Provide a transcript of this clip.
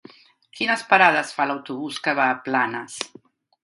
Quines parades fa l'autobús que va a Planes?